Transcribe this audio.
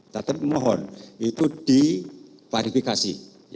tetapi mohon itu diklarifikasi